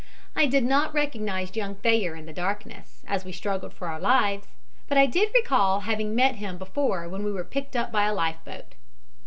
I did not recognize young Thayer in the darkness, as we struggled for our lives, but I did recall having met him before when we were picked up by a life boat.